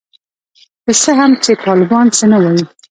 که څه هم چي طالبان څه نه وايي.